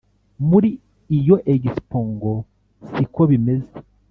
muri iyo Expo ngo si ko bimeze